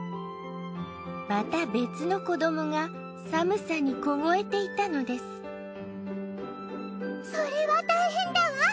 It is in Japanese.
また別の子どもが寒さに凍えていたのですそれは大変だわ！